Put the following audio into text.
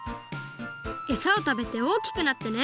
エサをたべておおきくなってね。